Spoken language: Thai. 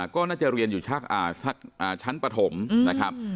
ก็น่าจะเรียนอยู่สักชั้นปฐมนะครับ